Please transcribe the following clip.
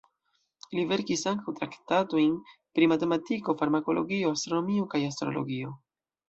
Li verkis ankaŭ traktatojn pri matematiko, farmakologio, astronomio kaj astrologio.